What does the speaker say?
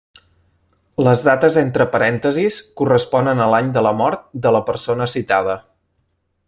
Les dates entre parèntesis corresponen a l'any de la mort de la persona citada.